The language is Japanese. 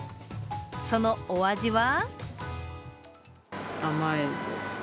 そのお味は？